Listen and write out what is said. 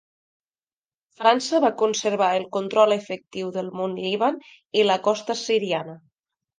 França va conservar el control efectiu del Mont Líban i la costa siriana.